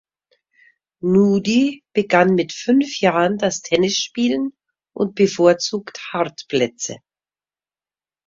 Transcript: Nuudi begann mit fünf Jahren das Tennisspielen und bevorzugt Hartplätze.